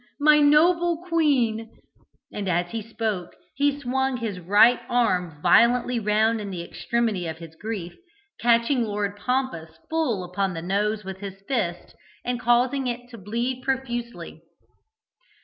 my noble queen!" and as he spoke he swung his right arm violently round in the extremity of his grief, catching Lord Pompous full upon the nose with his fist, and causing it to bleed profusely.